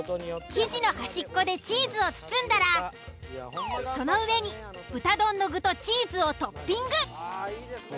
生地の端っこでチーズを包んだらその上に豚丼の具とチーズをトッピング。ああいいですね。